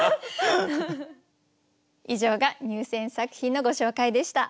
以上が入選作品のご紹介でした。